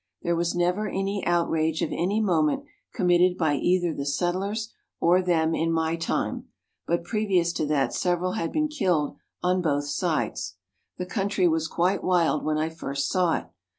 There was never any outrage of any moment committed by either the settlers or them in my time, but previous to that several had been killed on both sides. The country was quite wild when I first saw it.